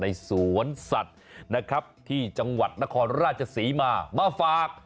ในสวนสัตว์ที่จังหวัดละครราชสีมามาฝาก